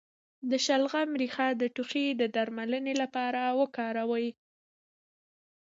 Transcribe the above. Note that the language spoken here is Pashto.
د شلغم ریښه د ټوخي د درملنې لپاره وکاروئ